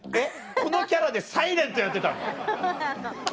このキャラでサイレントやってたの⁉そうなの。